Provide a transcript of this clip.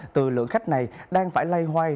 từ lượng khách này đang phải lay hoay